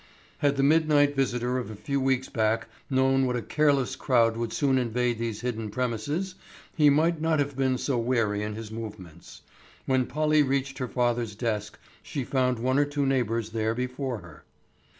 Had the midnight visitor of a few weeks back known what a careless crowd would soon invade these hidden premises he might not have been so wary in his movements. When Polly reached her father's desk, she found one or two neighbors there before her.